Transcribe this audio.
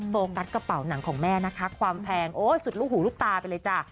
โฟกัสกระเป๋าหนังของแม่นะคะความแพงโอ้สุดลูกหูลูกตาไปเลยจ้ะ